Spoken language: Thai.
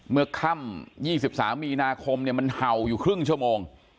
เมื่อค่ำ๒๓มีนาคมมันเห่าอยู่ครึ่งชั่วโมง